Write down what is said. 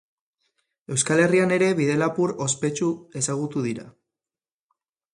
Euskal Herrian ere bidelapur ospetsu ezagutu dira.